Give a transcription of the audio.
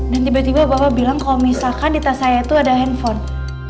dan tiba tiba bapak bilang kalau misalkan di tas saya itu ada handphone